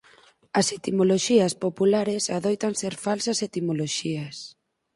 As etimoloxías populares adoitan ser falsas etimoloxías.